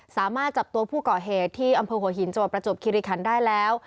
สามารถจับตัวผู้ก่อเหตุที่อำเภอหัวหินจังหวัดประจวบคิริคันได้แล้ว